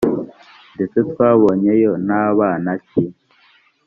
ndetse twabonyeyo n’abanaki!